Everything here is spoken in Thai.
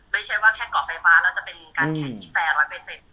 ไม่ใช่ว่าแค่เกาะไฟฟ้าแล้วจะเป็นการแข่งที่แฟร์๑๐๐ใบเสร็จ